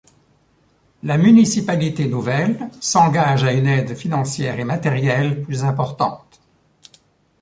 La municipalité nouvelle s’engage à une aide financière et matérielle plus importante.